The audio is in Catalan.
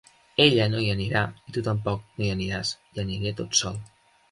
Ella no hi anirà i tu tampoc no hi aniràs: hi aniré tot sol.